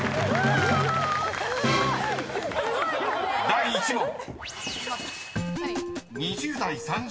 ［第１問］